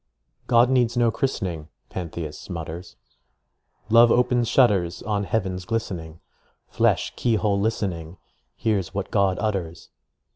"God needs no christening," Pantheist mutters, "Love opens shutters On heaven's glistening. Flesh, key hole listening, Hears what God utters"